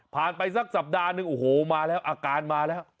ไปสักสัปดาห์หนึ่งโอ้โหมาแล้วอาการมาแล้ว